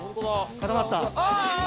固まった。